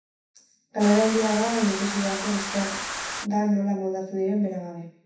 Galera handia da baina ikusi beharko besteak da nola moldatzen diren bera gabe.